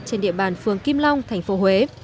trên địa bàn phường kim long tp huế